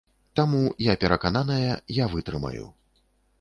Таму, я перакананая, я вытрымаю.